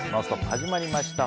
始まりました。